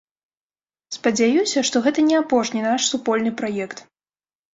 Спадзяюся, што гэта не апошні наш супольны праект.